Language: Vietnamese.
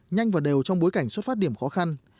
nhanh và đều trong bối cảnh xuất phát điểm khó khăn